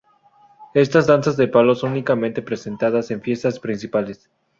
Estas danzas de palo son únicamente presentadas en fiestas principales.